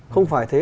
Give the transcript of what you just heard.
không phải thế